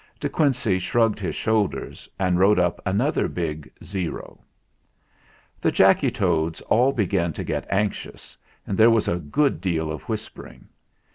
De Quincey shrugged his shoulders, and wrote up another big O. The Jacky Toads all began to get anxious, and there was a good deal of whispering.